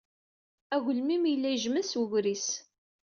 Agelmim yella yejmed s wegris.